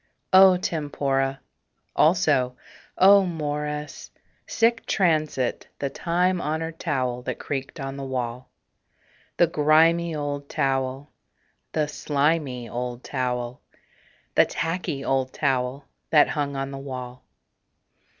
O tempora! Also, O mores! Sic transit The time honored towel that creaked on the wall. The grimy old towel, the slimy old towel, The tacky old towel that hung on the wall.